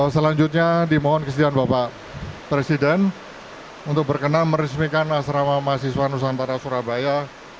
selanjutnya dimohon kesediaan bapak presiden untuk berkenan meresmikan asrama mahasiswa nusantara surabaya